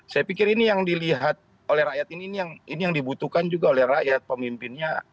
saya pikir ini yang dilihat oleh rakyat ini yang dibutuhkan juga oleh rakyat pemimpinnya